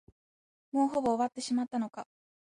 もうほぼ終わってしまったのか。